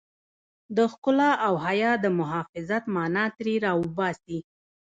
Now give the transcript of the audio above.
د ښکلا او حيا د محافظت مانا ترې را وباسي.